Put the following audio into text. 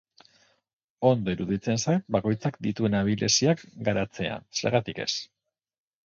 Ondo iruditzen zait bakoitzak dituen abileziak garatzea, zergatik ez.